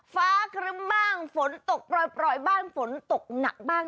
ฟ้าครึ้มบ้างฝนตกปล่อยบ้างฝนตกหนักบ้าง